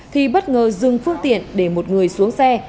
thì bất ngờ dừng phương tiện để một người xuống xe